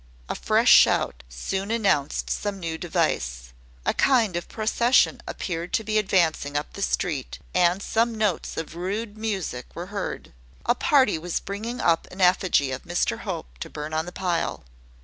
A fresh shout soon announced some new device. A kind of procession appeared to be advancing up the street, and some notes of rude music were heard. A party was bringing an effigy of Mr Hope to burn on the pile.